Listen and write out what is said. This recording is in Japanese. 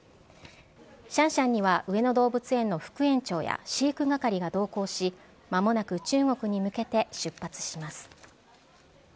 シャンシャンには上野動物園の副園長や飼育係が同行し、まもなく中国に向けて出発します。